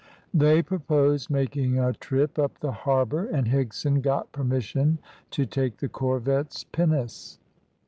They proposed making a trip up the harbour, and Higson got permission to take the corvette's pinnace.